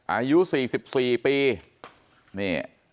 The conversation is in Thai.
อายุ๔๔ปี